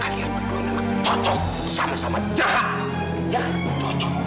kalian berdua memang cocok sama sama jahat